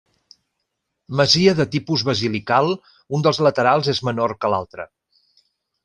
Masia de tipus basilical, un dels laterals és menor que l'altre.